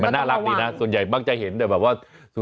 แต่มันน่ารักดีนะส่วนใหญ่บ้างจะเห็นแบบว่า